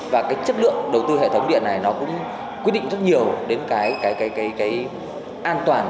và cái chất lượng đầu tư hệ thống điện này nó cũng quyết định rất nhiều đến cái an toàn